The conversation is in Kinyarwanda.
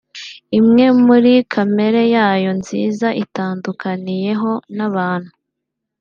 imwe muri kamere yayo nziza itandukaniyeho n’abantu